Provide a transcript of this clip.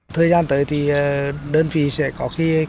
thời gian tới thì đơn phí sẽ có khi